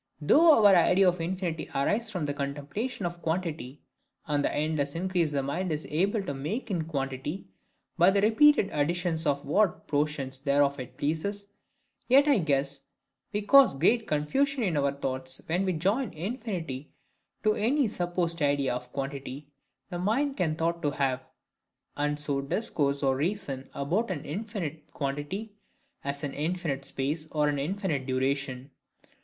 Though our idea of infinity arise from the contemplation of quantity, and the endless increase the mind is able to make in quantity, by the repeated additions of what portions thereof it pleases; yet I guess we cause great confusion in our thoughts, when we join infinity to any supposed idea of quantity the mind can be thought to have, and so discourse or reason about an infinite quantity, as an infinite space, or an infinite duration.